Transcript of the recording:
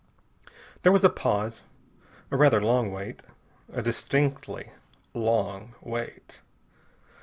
There was a pause. A rather long wait. A distinctly long wait.